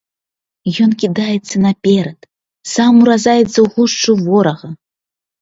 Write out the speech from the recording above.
Ён кідаецца наперад, сам уразаецца ў гушчу ворага.